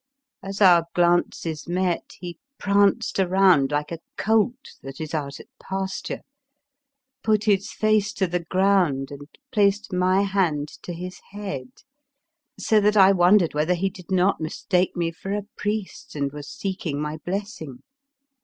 As our glances met, he pranced around like a colt that is out at pas ture, put his face to the ground and placed my hand to his head, so that I wondered whether he did not mistake me for a priest and was seeking my blessing.